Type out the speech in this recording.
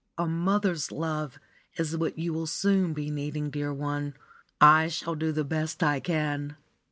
"A mother's love is what you will soon be needing, dear one. I shall do the best I can."